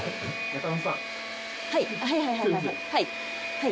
はい。